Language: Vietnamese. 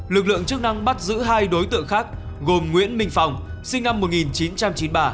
lực lượng chức năng bắt giữ hai đối tượng khác gồm nguyễn minh phong sinh năm một nghìn chín trăm chín mươi ba